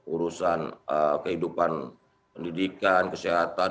urusan kehidupan pendidikan kesehatan